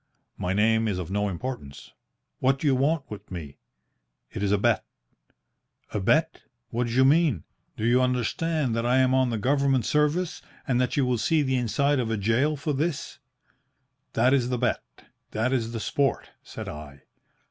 "'My name is of no importance.' "'What do you want with me?' "It is a bet.' "'A bet? What d'you mean? Do you understand that I am on the Government service, and that you will see the inside of a gaol for this?' "'That is the bet. That is the sport, said I.'